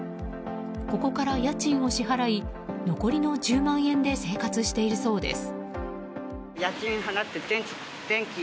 ここから家賃を支払い残りの１０万円で生活しているそうです。